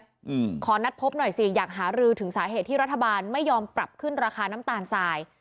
อืมขอนัดพบหน่อยสิอยากหารือถึงสาเหตุที่รัฐบาลไม่ยอมปรับขึ้นราคาน้ำตาลทราย